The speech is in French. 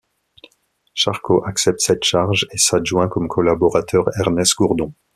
Charcot accepte cette charge et s’adjoint comme collaborateur Ernest Gourdon.